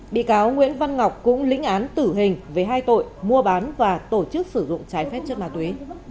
bị cáo nguyễn văn ngọc cũng lĩnh án tử hình về hai tội mua bán và tổ chức sử dụng trái phép chất ma túy